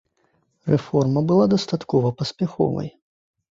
Рэформа была дастаткова паспяховай.